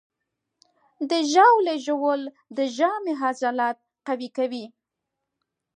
د ژاولې ژوول د ژامې عضلات قوي کوي.